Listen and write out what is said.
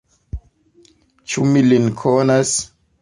Ĉu mi lin konas?